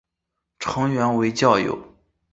成员为教友。